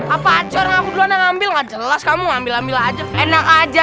apa acor aku dana ngambil nggak jelas kamu ambil ambil aja enak aja